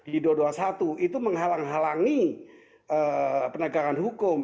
di dua ratus dua puluh satu itu menghalang halangi penegakan hukum